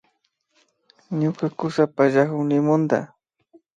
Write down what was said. Ñuka kusa pallakun lumuta